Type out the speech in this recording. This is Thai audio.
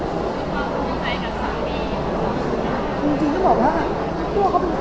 ก็ไม่ถ้าเป็นสไตล์เขาอะ